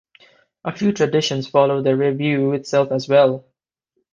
A few traditions follow the revue itself as well.